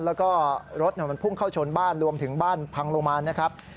แล้วก็รถมันพุ่งเข้าชนบ้านรวมถึงบ้านพังลงมานะครับ